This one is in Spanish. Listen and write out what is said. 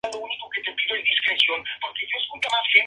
Al cargo de Comisionado lo postuló Tomas Delaney.